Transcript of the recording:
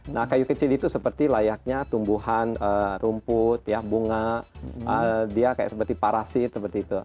nah kayu kecil itu seperti layaknya tumbuhan rumput ya bunga dia kayak seperti parasit seperti itu